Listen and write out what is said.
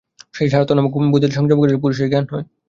সেই স্বার্থ-নামক বুদ্ধিতে সংযম করিলে পুরুষের জ্ঞান হয়।